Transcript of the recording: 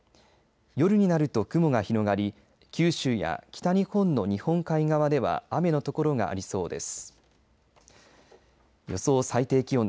夜になると雲が広がり九州や北日本の日本海側では雨の所がありそうです。